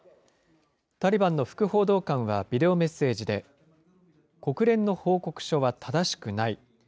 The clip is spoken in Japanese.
タリバンの副報道官はビデオメッセージで、国連の報告書は正しくない。